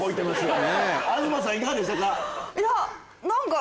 東さんいかがでしたか？